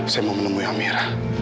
saya mau menemui amira